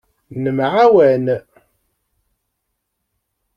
Nemɛawan.